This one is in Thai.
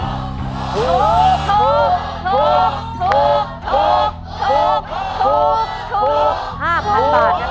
ถูกถูกถูกถูกถูกถูกถูกถูกถูกถูกถูก